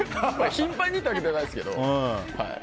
頻繁にってわけじゃないですけど。